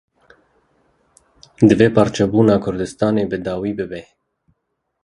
Divê parçebûna Kurdistanê bi dawî bibe.